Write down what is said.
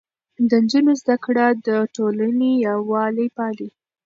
د نجونو زده کړه د ټولنې يووالی پالي.